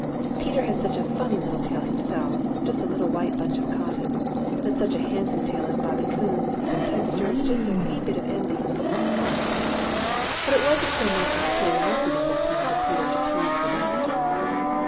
Peter has such a funny little tail himself, just a little white bunch of cotton, that such a handsome tail as Bobby Coon's sometimes stirs just a wee bit of envy in Peter's heart. But it wasn't envy so much as curiosity that prompted Peter to tease for that story.